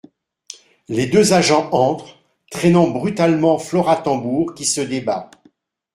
Les deux agents entrent, traînant brutalement Flora Tambour qui se débat…